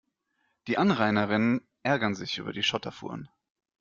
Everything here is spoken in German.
Die Anrainerinnen ärgern sich über die Schotterfuhren.